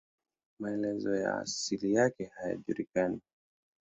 Maelezo ya asili yake hayajulikani.